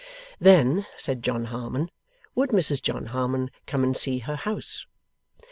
Then, said John Harmon, would Mrs John Harmon come and see her house?